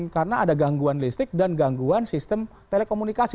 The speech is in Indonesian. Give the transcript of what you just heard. karena ada gangguan listrik dan gangguan sistem telekomunikasi